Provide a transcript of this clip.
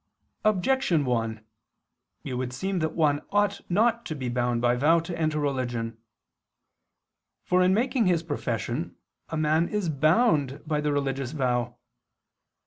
Objection 1: It would seem that one ought not to be bound by vow to enter religion. For in making his profession a man is bound by the religious vow.